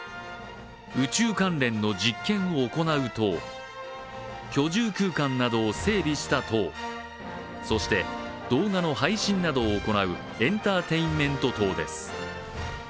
宇宙関連の実験を行う棟、居住空間などを整備した棟、そして、動画の配信などを行うエンターテインメント棟です。